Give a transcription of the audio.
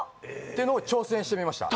ていうのを挑戦してみました